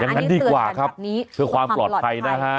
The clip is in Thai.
งั้นดีกว่าครับเพื่อความปลอดภัยนะฮะ